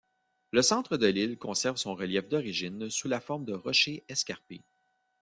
Le centre de l'île conserve son relief d'origine sous la forme de rochers escarpés.